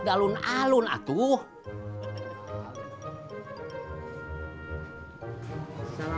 keren banget saya berdua